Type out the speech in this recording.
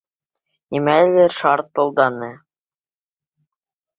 Нимәлер шартылданы!